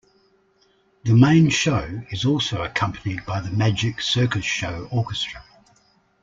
The main show is also accompanied by the "Magic Circus Show Orchestra".